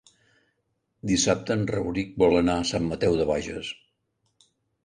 Dissabte en Rauric vol anar a Sant Mateu de Bages.